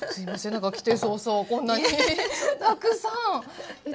なんか来て早々こんなにたくさん頂いて。